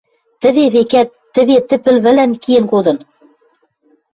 Тӹве, векӓт, тӹве тӹ пӹл вӹлӓн киэн кодын?..